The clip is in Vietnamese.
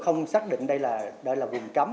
không xác định đây là vùng cấm